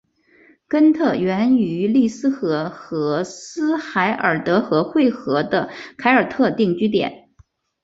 根特源于利斯河和斯海尔德河汇合的凯尔特定居点。